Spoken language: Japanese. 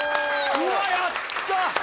うわやった！